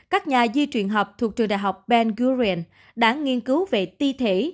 các nhà di truyền học thuộc trường đại học ben gurion đã nghiên cứu về ti thể